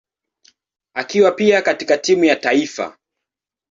akiwa pia katika timu ya taifa.